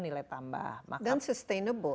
nilai tambah dan sustainable